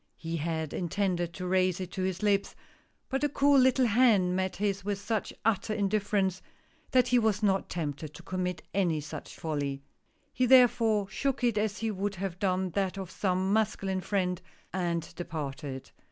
He had intended to raise it to his lips, but the cool little hand met his with such utter indifference that he was not tempted to commit any such folly. He therefore shook it as he would have done that of some masculine friend, and departed.